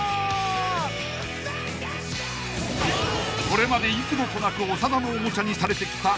［これまで幾度となく長田のおもちゃにされてきた］